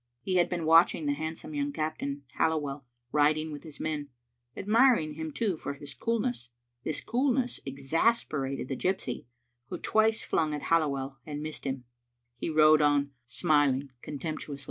He had been watching the handsome young captain, Halliwell, rid ing with his men ; admiring him, too, for his coolness. This coolness exasperated the gypsy, who twice flung at Halliwell and missed him. He rode on smiling contemptuously.